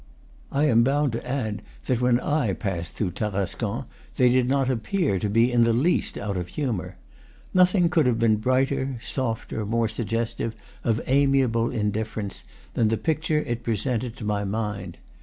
I am bound to add that when I passed through Tarascon they did not appear to be in the least out of humor. Nothing could have been brighter, softer, more suggestive of amiable indifference, than the picture it presented to my mind.